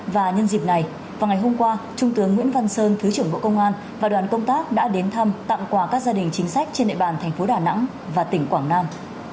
và nhân dịp này vào ngày hôm qua trung tướng nguyễn văn sơn thứ trưởng bộ công an và đoàn công tác đã đến thăm tặng quà các gia đình chính sách trên địa bàn thành phố đà nẵng và tỉnh quảng nam